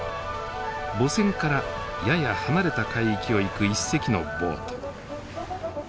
母船からやや離れた海域を行く１隻のボート。